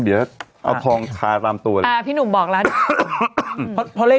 เดี๋ยวเอาทองทาตามตัวเลยอ่าพี่หนุ่มบอกแล้วเพราะเลข